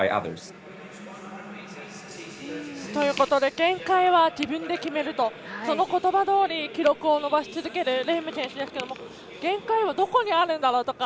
限界は自分で決めるとこのことばどおり記録を伸ばし続けるレーム選手ですけど限界はどこにあるんだろうとか